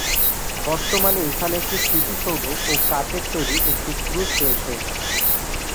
বর্তমানে এখানে একটি স্মৃতিসৌধ ও কাঠের তৈরি একটি ক্রুশ রয়েছে।